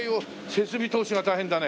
設備投資が大変だね。